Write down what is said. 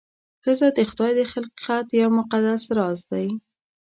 ښځه د خدای د خلقت یو مقدس راز دی.